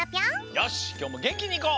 よしきょうもげんきにいこう！